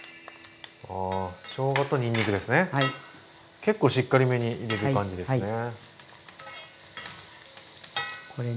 結構しっかりめに入れる感じですね。